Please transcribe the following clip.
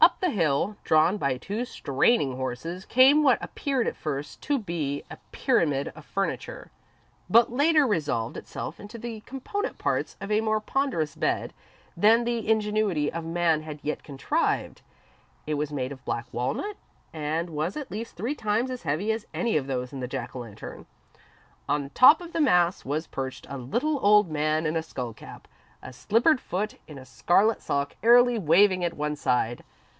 Up the hill, drawn by two straining horses, came what appeared at first to be a pyramid of furniture, but later resolved itself into the component parts of a more ponderous bed than the ingenuity of man had yet contrived. It was made of black walnut, and was at least three times as heavy as any of those in the Jack o' Lantern. On the top of the mass was perched a little old man in a skull cap, a slippered foot in a scarlet sock airily waving at one side.